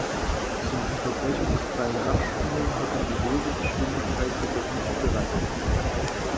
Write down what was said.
Zum unterbrechungsfreien Abspielen hätte die Lesegeschwindigkeit jedoch nicht gereicht.